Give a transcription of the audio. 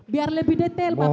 biar lebih detail bapak ibu